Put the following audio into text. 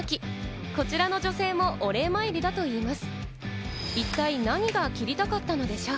こちらの女性もお礼参りだといいます。